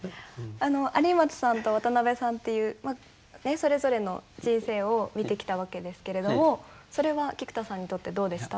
有松さんと渡さんっていうそれぞれの人生を見てきたわけですけれどもそれは菊田さんにとってどうでした？